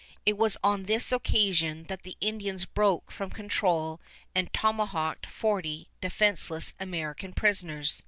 It was on this occasion that the Indians broke from control and tomahawked forty defenseless American prisoners.